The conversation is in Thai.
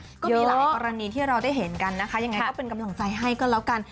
ก็มีหลายกรณีที่เราได้เห็นกำลังจะได้กำลังจะใส่ให้กันแล้วกัน